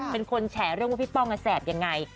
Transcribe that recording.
เป็นคนแฉเรื่องว่าพี่ป้องแสบยังไง